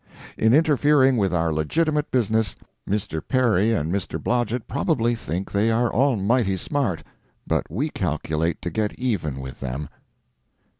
In interfering with our legitimate business, Mr. Perry and Mr. Blodgett probably think they are almighty smart, but we calculate to get even with them.